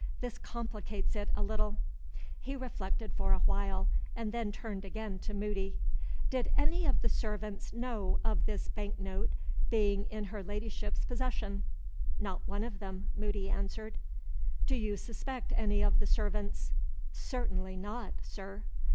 "This complicates it a little." He reflected for a while, and then turned again to Moody. "Did any of the servants know of this bank note being in her Ladyship's possession?" "Not one of them," Moody answered. "Do you suspect any of the servants?" "Certainly not, sir."